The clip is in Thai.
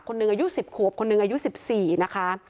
คนหนึ่งอายุ๑๐คูพคนหนึ่งอายุ๑๔นะคะ